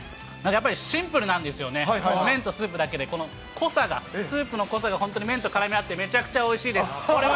やっぱりシンプルなんですよね、麺とスープだけで、この濃さが、スープの濃さが本当に麺と絡み合って、めちゃくちゃおいしいです。